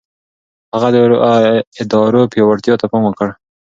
هغه د ادارو پياوړتيا ته پام وکړ.